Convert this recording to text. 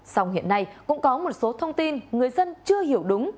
song hiện nay cũng có một số thông tin người dân chưa hiểu đúng